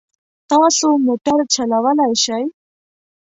تاسو موټر چلولای شئ؟